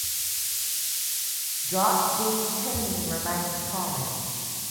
Drop-D tuning remains common.